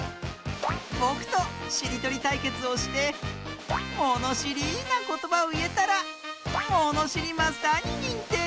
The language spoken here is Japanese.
ぼくとしりとりたいけつをしてものしりなことばをいえたらものしりマスターににんてい！